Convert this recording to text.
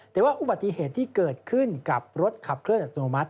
แต่ว่าอุบัติเหตุที่เกิดขึ้นกับรถขับเคลื่อนอัตโนมัติ